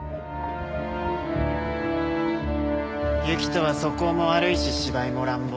行人は素行も悪いし芝居も乱暴。